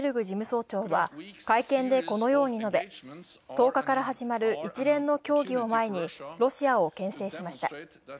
事務総長は、会見でこのように述べ１０日から始まる一連の協議を前にロシアをけん制しました。